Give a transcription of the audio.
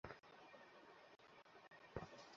তাই, না, অন্য কাউকে রাজি করাও।